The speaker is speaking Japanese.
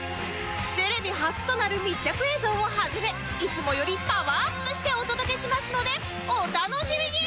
テレビ初となる密着映像をはじめいつもよりパワーアップしてお届けしますのでお楽しみに